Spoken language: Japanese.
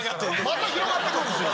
また広がっていくんですよ。